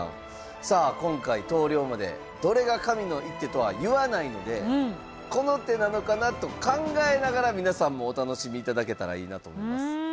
さあ今回投了までどれが神の一手とは言わないのでこの手なのかなと考えながら皆さんもお楽しみいただけたらいいなと思います。